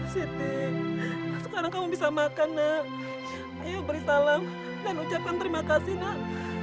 sekarang kamu bisa makan nak ayo beri salam dan ucapkan terima kasih nak